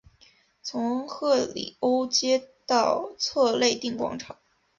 从赫里欧街到策肋定广场。